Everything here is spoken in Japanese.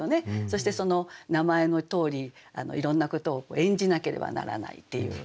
そしてその名前のとおりいろんなことを演じなければならないっていうことですよね。